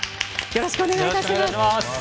よろしくお願いします。